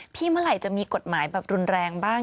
เมื่อไหร่จะมีกฎหมายแบบรุนแรงบ้าง